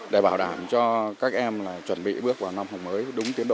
để bảo đảm cho các em chuẩn bị bước vào năm học mới đúng tiến độ